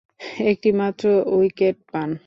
একটিমাত্র উইকেট পান।